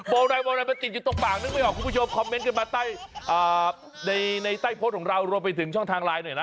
อะไรโบราณมันติดอยู่ตรงปากนึกไม่ออกคุณผู้ชมคอมเมนต์กันมาใต้ในใต้โพสต์ของเรารวมไปถึงช่องทางไลน์หน่อยนะ